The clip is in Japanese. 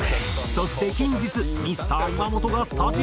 そして近日ミスター岩本がスタジオに。